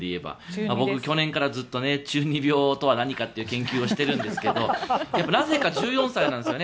去年からずっと中二病とは何かという研究をしてるんですけどなぜか１４歳なんですよね。